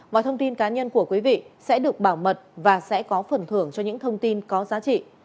mọi thông tin cá nhân của quý vị sẽ được bảo mật và sẽ có phần thưởng cho những thông tin có giá trị